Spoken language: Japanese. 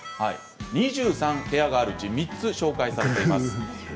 ２３部屋があるうち３つ紹介させていただきます。